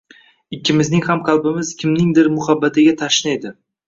Ikkimizning ham qalbimiz kimningdir muhabbatiga tashna edi